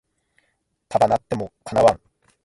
束なっても叶わん